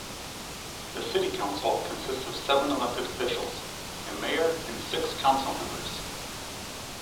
The City Council consists of seven elected officials-a mayor and six council members.